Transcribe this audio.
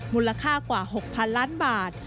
มูลค่ากว่า๖๐๐๐ล้านบาท